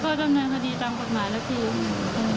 ก็ดำเนินคดีตามกฎหมายแล้วคือ